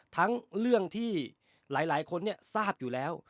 ทั้งเรื่องที่หลายคนทราบอยู่แล้ว